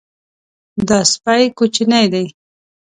دا سپی کوچنی دی.